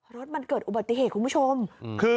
รถมันเกิดอุบัติเหตุ